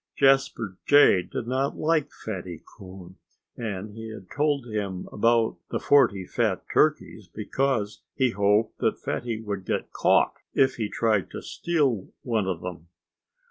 Jasper Jay did not like Fatty Coon. And he had told him about the forty fat turkeys because he hoped that Fatty would get caught if he tried to steal one of them.